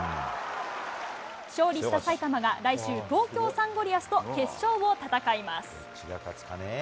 勝利した埼玉が、来週、東京サンゴリアスと決勝を戦います。